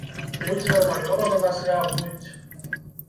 Людзі нармалёва на нас рэагуюць!